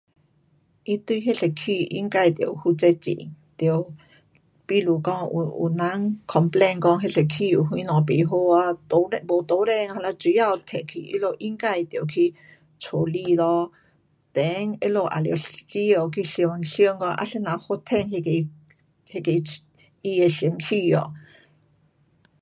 他对那一区应该得负责任。得，比如讲有，有人 complaint 讲那一区有什么不好啊，路灯没路灯，或是水沟塞去，他们应该得去处理咯，then 他们也得需要去想想讲啊怎样发展那个，那个他的选区。